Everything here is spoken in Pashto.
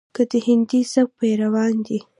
کې د هندي سبک پېروان دي،